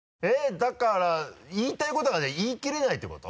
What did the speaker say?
だから言いたいことが言い切れないってこと？